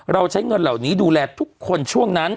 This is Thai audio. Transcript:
ใช้เงินเหล่านี้ดูแลทุกคนช่วงนั้น